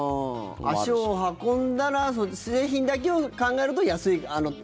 足を運んだら製品だけを考えると安い。